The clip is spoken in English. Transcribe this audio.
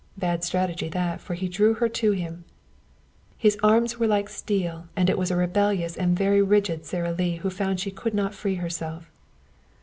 Bad strategy that, for he drew her to him. His arms were like steel, and it was a rebellious and very rigid Sara Lee who found she could not free herself.